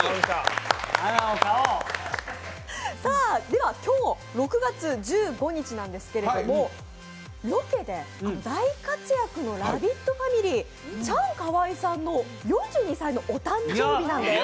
では今日６月１５日なんですけれども、ロケで大活躍のラヴィットファミリー、チャンカワイさんの４２歳のお誕生日なんです。